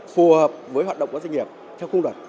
phù hợp với hoạt động của doanh nghiệp theo khung luật